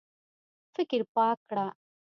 فکر پاک کړه.